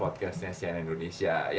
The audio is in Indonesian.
podcastnya asean indonesia